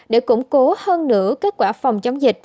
để củng cố hơn nữa kết quả phòng chống dịch